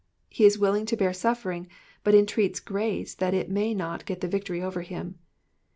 He is willing to bear suflfering, but entreats grace that it may not get the victory over him.